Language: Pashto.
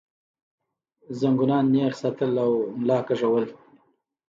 زنګونان نېغ ساتل او ملا کږول